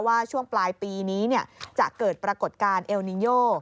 ว่าช่วงปลายปีนี้เนี่ยจะเกิดปรากฏการณ์เอลนิโย